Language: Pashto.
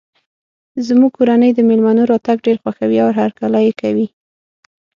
زموږ کورنۍ د مېلمنو راتګ ډیر خوښوي او هرکلی یی کوي